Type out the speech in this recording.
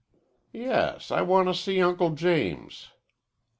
"Yes. I want to see Uncle James."